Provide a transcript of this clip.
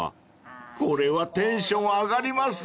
［これはテンション上がりますね］